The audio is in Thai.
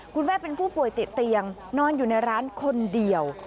คุณแม่เป็นผู้ป่วยติดเตียงนอนอยู่ในร้านคนเดียว